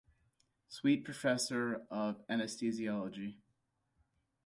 Sweet Professor of Anesthesiology.